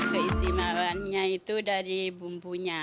keistimewaannya itu dari bumbunya